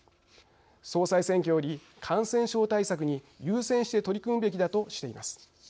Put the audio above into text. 総裁選挙より感染症対策に優先して取り組むべきだとしています。